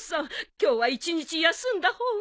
今日は一日休んだ方が。